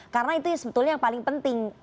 karena itu yang sebetulnya yang paling penting